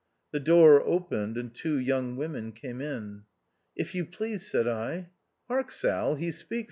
The door opened, and two young women came in. " If you please," said I. " Hark, Sal, he speaks !